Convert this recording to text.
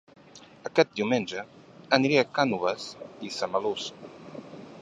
Aquest diumenge aniré a Cànoves i Samalús